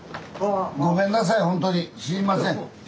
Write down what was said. ごめんなさいほんとにすいません。